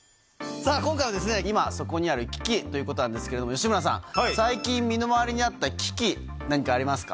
今回は、今そこにある危機ということなんですけれども、吉村さん、最近、身の回りにあった危機、何かありますか？